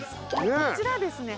こちらですね